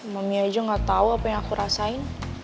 memi aja gak tau apa yang aku rasain